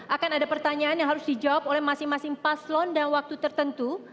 akan ada pertanyaan yang harus dijawab oleh masing masing paslon dan waktu tertentu